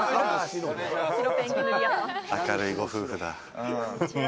明るいご夫婦だ。